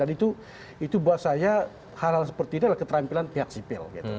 dan itu buat saya hal hal seperti itu adalah keterampilan pihak sipil gitu